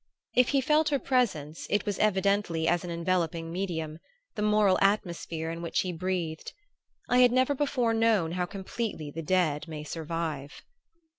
If he felt her presence it was evidently as an enveloping medium, the moral atmosphere in which he breathed. I had never before known how completely the dead may survive.